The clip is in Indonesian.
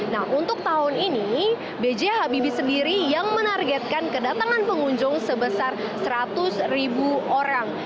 nah untuk tahun ini bj habibi sendiri yang menargetkan kedatangan pengunjung sebesar seratus orang